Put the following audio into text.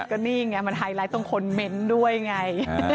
ก็นี่ไงมันไฮไลท์ตรงคอนเมนต์ด้วยไง